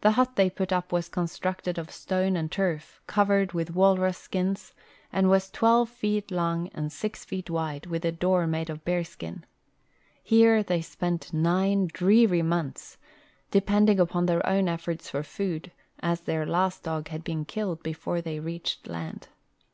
The hut they put up was constructed of stone and turf, cov ered with walrus skins, and was twelve feet long and six feet wide, with a door made of hear skin. Here they spent nine dreary months, depending upon their own efforts for food, as their last dog had been killed Ijefore they reached land.